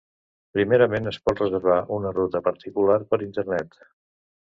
Primerament, es pot reservar una ruta particular per internet.